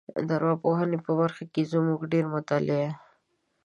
د ارواپوهنې په برخه کې زموږ ډېری مطالعه